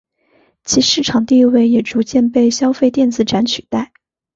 其市场地位也逐渐被消费电子展取代。